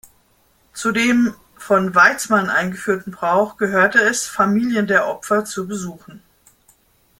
Zu dem von Weizman eingeführten Brauch gehörte es, Familien der Opfer zu besuchen.